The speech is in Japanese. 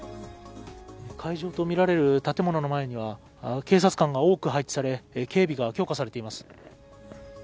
会場とみられる建物の前には警察官が多く配備され警備が強化されています。